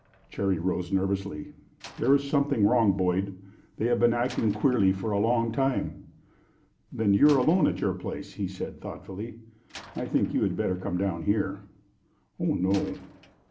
Cherry rose nervously. "There is something wrong, Boyd. They have been acting queerly for a long time." "Then you are alone at your place," he said, thoughtfully. "I think you had better come down here." "Oh no!"